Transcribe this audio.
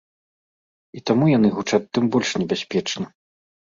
І таму яны гучаць тым больш небяспечна.